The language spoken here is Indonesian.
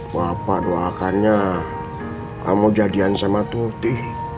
bapak doakannya kamu jadian sama tuti